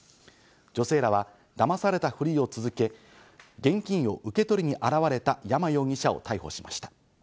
女性らはだまされたふりを続け、現金を受け取りに現れた山容疑者を逮捕しました。